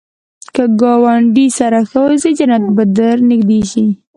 که ګاونډي سره ښه اوسې، جنت ته به نږدې شې